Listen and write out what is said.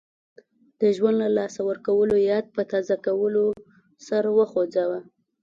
د ژوند له لاسه ورکولو یاد په تازه کولو سر وخوځاوه.